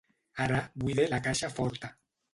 Ara, buide la caixa forta.